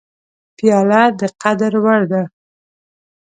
پیاله د قدر وړ ده.